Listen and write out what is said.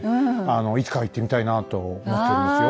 いつかは行ってみたいなと思っておりますよ。